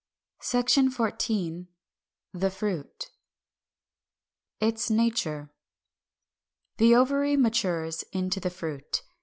Section XIV. THE FRUIT. 345. =Its Nature.= The ovary matures into the Fruit.